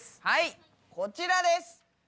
はいこちらです。